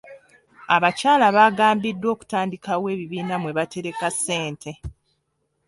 Abakyala baagambiddwa okutandikawo ebibiina mwe batereka ssente.